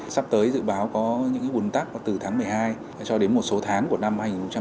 sắp tới dự báo có những cái bốn tác từ tháng một mươi hai cho đến một số tháng của năm hai nghìn hai mươi bốn